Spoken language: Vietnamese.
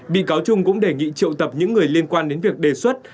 bị cáo trung cũng đề nghị triệu tập những người liên quan đến việc đề xuất